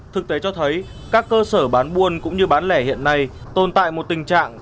thực tế cho thấy các cơ sở bán buôn cũng như bán lẻ hiện nay tồn tại một tình trạng